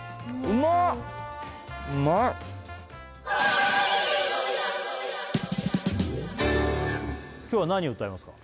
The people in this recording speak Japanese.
うまい今日は何を歌いますか？